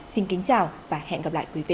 xin kính chào và hẹn gặp lại quý vị